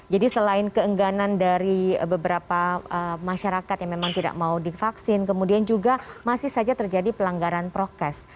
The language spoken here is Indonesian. jadi selain keengganan dari beberapa masyarakat yang memang tidak mau divaksin kemudian juga masih saja terjadi pelanggaran prokes